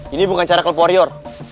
ini bukan cara kelp warrior